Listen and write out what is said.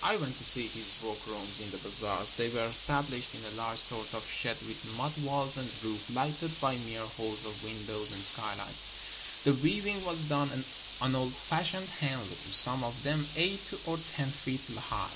I went to see his workrooms in the bazaars. They were estab lished in a large sort of shed with mud walls and roof, lighted by mere holes of windows and skylights. The 428 THE PERSIAN BAZAARS weaving was done on old fasliioncd hand looms, some of them eight or ten feet high.